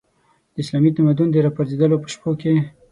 د اسلامي تمدن د راپرځېدلو په شپو کې.